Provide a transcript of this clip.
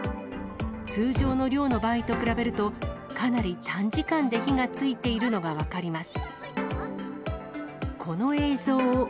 通常の量の場合と比べると、かなり短時間で火がついているのが分かります。